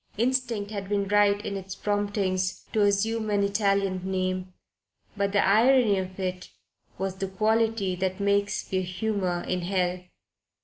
Instinct had been right in its promptings to assume an Italian name; but the irony of it was of the quality that makes for humour in hell.